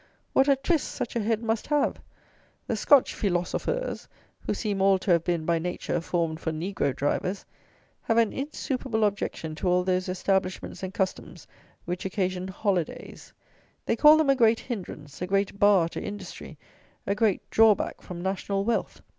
What a twist such a head must have! The Scotch feelosofers, who seem all to have been, by nature, formed for negro drivers, have an insuperable objection to all those establishments and customs which occasion holidays. They call them a great hindrance, a great bar to industry, a great drawback from "national wealth."